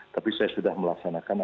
tapi saya sudah melaksanakan